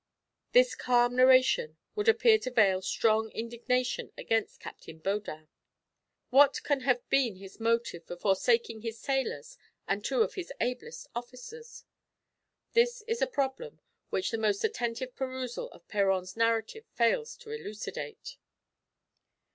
This calm narration would appear to veil strong indignation against Captain Baudin. What can have been his motive for forsaking his sailors and two of his ablest officers? This is a problem which the most attentive perusal of Péron's narrative fails to elucidate.